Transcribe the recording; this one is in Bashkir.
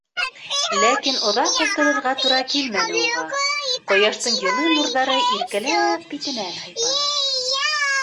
Ләкин оҙаҡ ултырырға тура килмәне уға, ҡояштың йылы нурҙары иркәләп битенән һыйпаны.